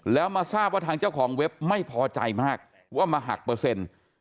แล้วมาทราบว่าทางเจ้าของเว็บไม่พอใจมากว่ามาหักเปอร์เซ็นต์